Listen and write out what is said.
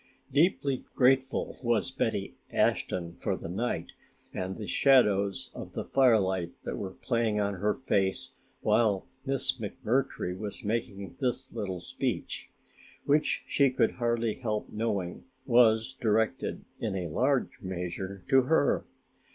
Deeply grateful was Betty Ashton for the night and the shadows of the firelight that were playing on her face while Miss McMurtry was making this little speech, which she could hardly help knowing was directed in a large measure to her.